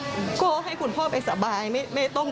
และก็มีการกินยาละลายริ่มเลือดแล้วก็ยาละลายขายมันมาเลยตลอดครับ